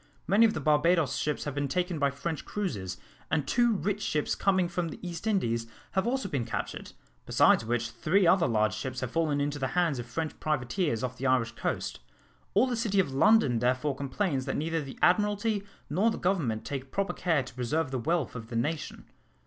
Many of the Barbados ships have been taken by French cruisers, and two rich ships coming from the East Indies have also been captured, besides which three other large ships have fallen into the hands of French privateers off the Irish coast. All the city of London therefore complains that neither the Admiralty nor the Government take proper care to preserve the wealth of of the nation."